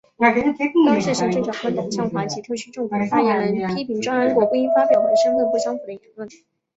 当时行政长官董建华及特区政府发言人批评郑安国不应发表和身份不相符的言论。